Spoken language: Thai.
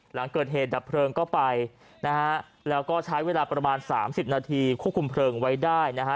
หลังเกิดเหตุดับเพลิงก็ไปนะฮะแล้วก็ใช้เวลาประมาณสามสิบนาทีควบคุมเพลิงไว้ได้นะฮะ